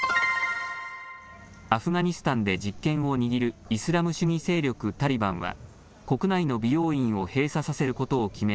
アフガニスタンで実権を握るイスラム主義勢力タリバンは国内の美容院を閉鎖させることを決め